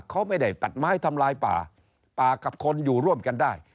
เขาไม่ได้ตัดไม้ทำลายป่าป่ากับคนอยู่ร่วมกันได้